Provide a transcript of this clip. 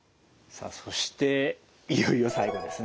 さあそしていよいよ最後ですね。